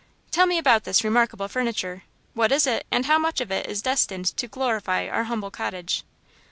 "Tell me about this remarkable furniture. What is it, and how much of it is destined to glorify our humble cottage?"